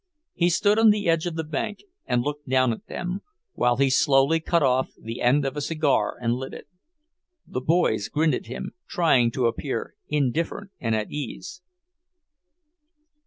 He stood on the edge of the bank and looked down at them, while he slowly cut off the end of a cigar and lit it. The boys grinned at him, trying to appear indifferent and at ease.